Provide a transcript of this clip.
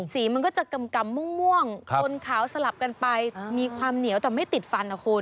สีมันก็จะกำม่วงคนขาวสลับกันไปมีความเหนียวแต่ไม่ติดฟันนะคุณ